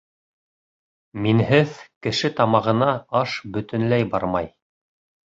Минһеҙ кеше тамағына аш бөтөнләй бармай.